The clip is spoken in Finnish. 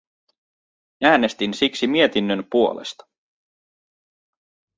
Äänestin siksi mietinnön puolesta.